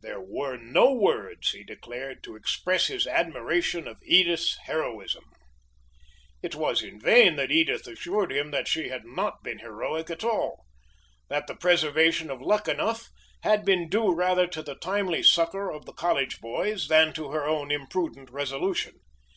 There were no words, he declared, to express his admiration of Edith's "heroism." It was in vain that Edith assured him that she had not been heroic at all that the preservation of Luckenough had been due rather to the timely succor of the college boys than to her own imprudent resolution.